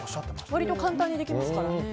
割と簡単にできますからね。